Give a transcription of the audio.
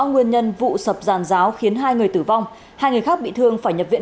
nguyên nhân vụ sập giàn giáo khiến hai người tử vong hai người khác bị thương phải nhập viện